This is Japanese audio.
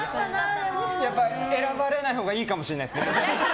やっぱり選ばれないほうがいいかもしれないですね。